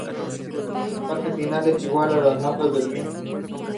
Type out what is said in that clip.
Su parte final es igual a las notas del min.